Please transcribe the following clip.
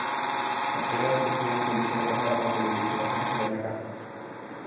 অস্ট্রেলিয়াও চতুর্থ ইনিংসে বিশ্ব রেকর্ড তাড়া করে চলে গিয়েছিল অসাধ্য সাধনের কাছাকাছি।